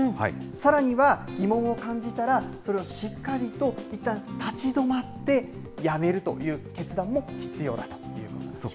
さらには、疑問を感じたら、それをしっかりといったん立ち止まって、やめるという決断も必要だということです。